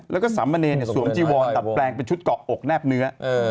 แล้วก็สามเณรสวมจีวอนดัดแปลงเป็นชุดเกาะอกแนบเนื้อ